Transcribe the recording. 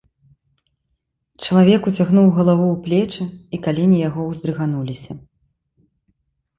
Чалавек уцягнуў галаву ў плечы, і калені яго ўздрыгануліся.